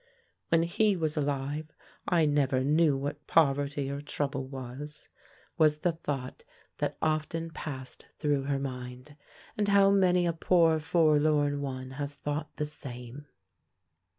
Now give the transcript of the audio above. "When he was alive, I never knew what poverty or trouble was," was the thought that often passed through her mind. And how many a poor forlorn one has thought the same!